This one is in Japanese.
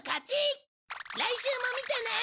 来週も見てね！